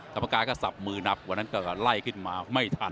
กรรมการก็สับมือนับวันนั้นก็ไล่ขึ้นมาไม่ทัน